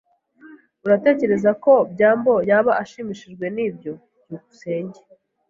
Uratekereza ko byambo yaba ashimishijwe nibyo? byukusenge